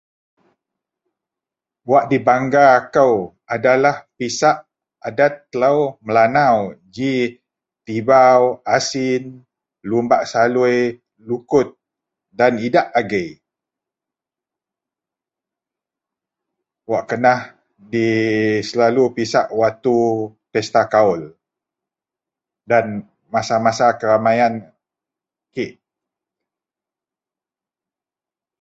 wak dibangga kou adalah pisak adet telou melanau ji tibau, asin, lumbak salui lukut dan idak agei, wak kenah dyii wak selalu pisak waktu pesta kaul dan masa-masa keramaian kek